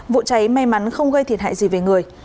vụ cháy may mắn không gây thiệt hại gì về người